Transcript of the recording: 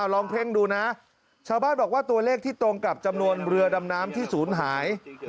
ลองเพ่งดูนะชาวบ้านบอกว่าตัวเลขที่ตรงกับจำนวนเรือดำน้ำที่ศูนย์หาย